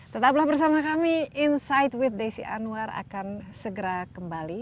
tetaplah bersama kami insight with desi anwar akan segera kembali